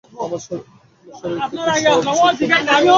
আমার শরীর থেকে সব শীত দূর করে দিলেন।